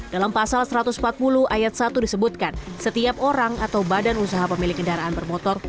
dalam pasal satu ratus empat puluh ayat satu disebutkan setiap orang atau badan usaha pemilik kendaraan bermotor